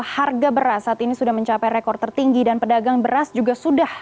harga beras saat ini sudah mencapai rekor tertinggi dan pedagang beras juga sudah